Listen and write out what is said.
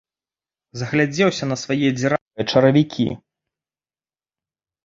Загледзеўся на свае дзіравыя чаравікі.